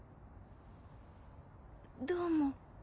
どうも。